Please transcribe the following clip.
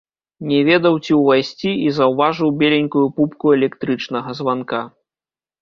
Не ведаў, ці ўвайсці, і заўважыў беленькую пупку электрычнага званка.